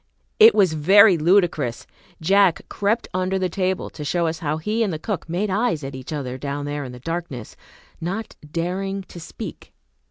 It was very ludicrous. Jack crept under the table to show us how he and the cook made eyes at each other down there in the darkness, not daring to speak.